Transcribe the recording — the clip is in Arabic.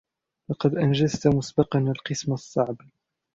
لقد أنجزتُ مسبقاً القِسم الصعب.